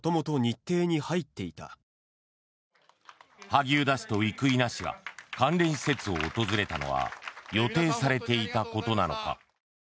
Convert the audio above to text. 萩生田氏と生稲氏が関連施設を訪れたのは予定されていたことなのか。